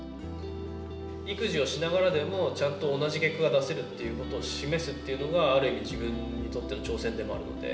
育児をしながらでもちゃんと同じ結果が出せるということを示すというのが、ある意味自分にとっての挑戦でもあるので。